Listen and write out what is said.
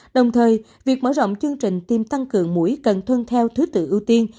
đồng thời việc mở rộng chương trình tiêm tăng cường mũi cần tuân theo thứ tự ưu tiên